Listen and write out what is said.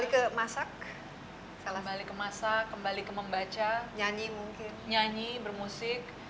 kembali ke masak kembali ke membaca nyanyi bermusik